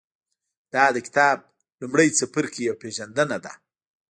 دا د کتاب لومړی څپرکی او پېژندنه ده.